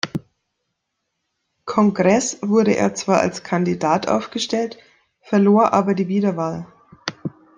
Kongress wurde er zwar als Kandidat aufgestellt, verlor aber die Wiederwahl.